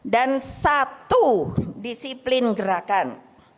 dan satu disiplin gerakan